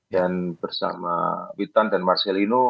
dan bersama witan dan marcelino